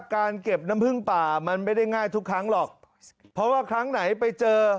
การเก็บน้ำผึ้งป่ามันไม่ได้ง่ายทุกครั้งหรอกเพราะว่าครั้งไหนไปเจอ